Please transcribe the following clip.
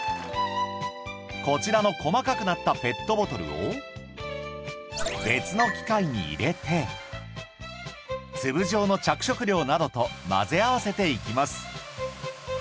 こちらの細かくなったペットボトルを別の機械に入れて粒状の着色料などと混ぜ合わせていきます